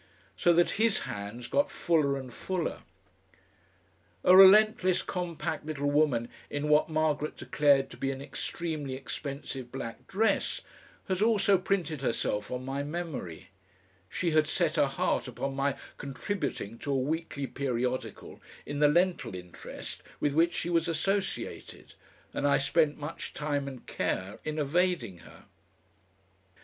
So that his hands got fuller and fuller. A relentless, compact little woman in what Margaret declared to be an extremely expensive black dress has also printed herself on my memory; she had set her heart upon my contributing to a weekly periodical in the lentil interest with which she was associated, and I spent much time and care in evading her.